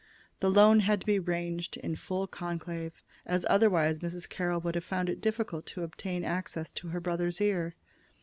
The loan had to be arranged in full conclave, as otherwise Mrs. Carroll would have found it difficult to obtain access to her brother's ear.